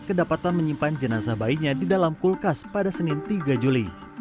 kedapatan menyimpan jenazah bayinya di dalam kulkas pada senin tiga juli